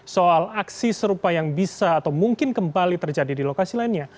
soal aksi serupa yang bisa atau mungkin kembali terjadi di lokasi lainnya